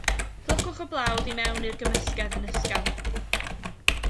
Plygwch y blawd i mewn i'r gymysgedd yn ysgafn.